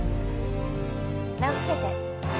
名付けて。